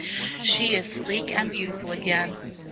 She is sleek and beautiful again.